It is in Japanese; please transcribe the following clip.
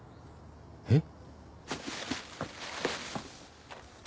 えっ？